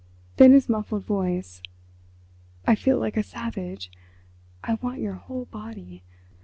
Then his muffled voice: "I feel like a savage. I want your whole body.